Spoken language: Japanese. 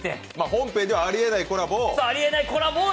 本編ではありえないコラボを。